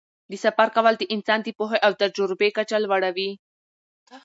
د سفر کول د انسان د پوهې او تجربې کچه لوړوي.